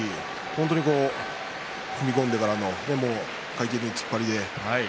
本当に踏み込んでから回転のいい突っ張りで。